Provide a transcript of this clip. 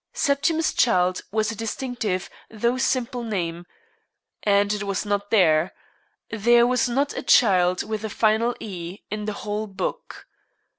Septimus Childe was a distinctive, though simple, name. And it was not there. There was not a Childe with a final "e" in the whole book.